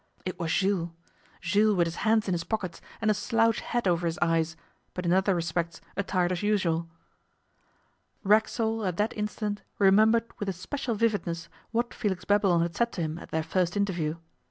It was Jules Jules with his hands in his pockets and a slouch hat over his eyes, but in other respects attired as usual. Racksole, at that instant, remembered with a special vividness what Felix Babylon had said to him at their first interview.